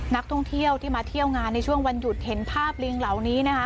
นักท่องเที่ยวที่มาเที่ยวงานในช่วงวันหยุดเห็นภาพลิงเหล่านี้นะคะ